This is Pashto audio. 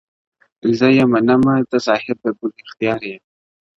زې منمه ته صاحب د کُل اختیار یې-